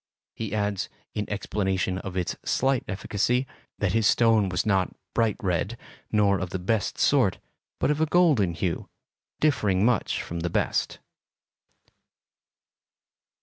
He adds, in explanation of its slight efficacy, that his stone was not bright red, nor of the best sort, but of a golden hue, differing much from the best.